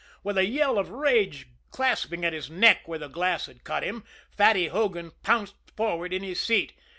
With a yell of rage, clasping at his neck where the glass had cut him, Fatty Hogan bounced forward in his seat.